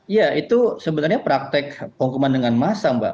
ya itu sebenarnya praktek penghukuman dengan massa mbak